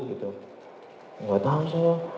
gitu gak tau saya